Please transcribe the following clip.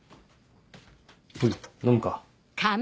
ほい飲むか？